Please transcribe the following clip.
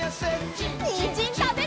にんじんたべるよ！